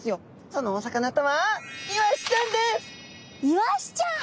そのお魚とはイワシちゃん！